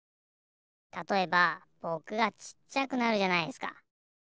たとえばぼくがちっちゃくなるじゃないっすか。